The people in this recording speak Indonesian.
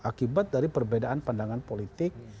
akibat dari perbedaan pandangan politik